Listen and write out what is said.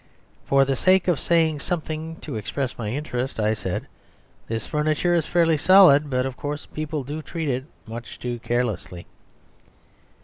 For the sake of saying something to express my interest I said, "This furniture is fairly solid; but, of course, people do treat it much too carelessly."